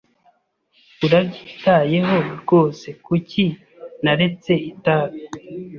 Urabyitayeho rwose kuki naretse itabi?